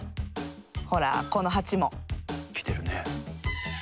ほらこのハチも。来てるね。